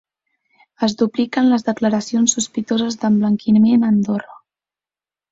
Es dupliquen les declaracions sospitoses demblanquiment a Andorra.